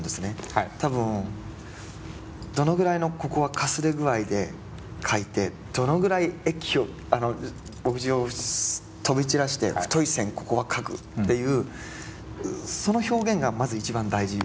多分どのぐらいのここはかすれ具合で書いてどのぐらい液を墨汁を飛び散らして太い線ここは書くっていうその表現がまず一番大事。